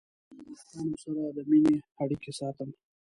زه د دوستانو سره د مینې اړیکې ساتم.